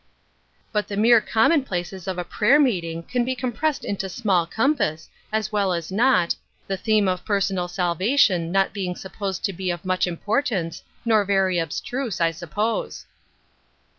" But the mere commonplaces of a prayer meeting can be compressed into small compass, as well as not, the theme of personal salvation Other People's Crosses, 156 not being supposed to be of much importance, nor very abstruse, I suppose."